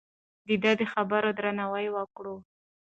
د ده د خبرو درناوی وکړو.